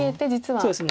そうですね。